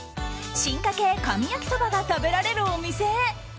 進化形神焼きそばが食べられるお店へ。